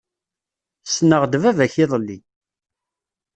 Ssneɣ-d baba-k iḍelli.